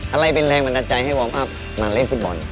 อะไรเป็นแรงบันดาลใจให้วอร์มอัพมาเล่นฟุตบอล